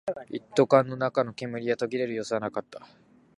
一斗缶の中の煙は途切れる様子はなかった